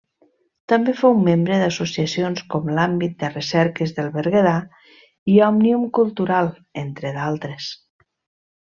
També fou membre d'associacions com l'Àmbit de Recerques del Berguedà i Òmnium Cultural, entre d'altres.